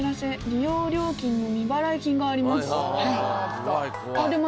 「利用料金の未払い金があります」。